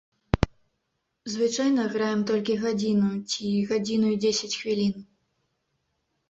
Звычайна граем толькі гадзіну, ці гадзіну і дзесяць хвілін.